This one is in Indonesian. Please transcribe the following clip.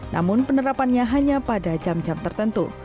namun penerapannya hanya pada jam jam tertentu